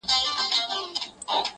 شکر د خدای په نعموتو کي چي تا وينم~